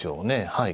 はい。